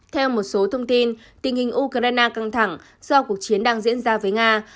theo một số thông tin tình hình ukraine căng thẳng do cuộc chiến đang diễn ra với nga